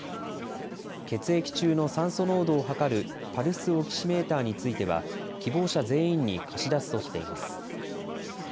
血液中の酸素濃度を測るパルスオキシメーターについては、希望者全員に貸し出すとしています。